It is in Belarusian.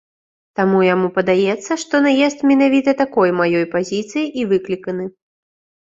Таму яму падаецца, што наезд менавіта такой маёй пазіцыяй і выкліканы.